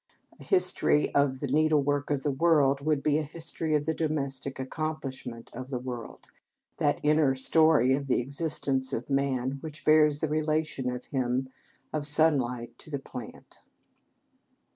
A history of the needlework of the world would be a history of the domestic accomplishment of the world, that inner story of the existence of man which bears the relation to him of sunlight to the plant.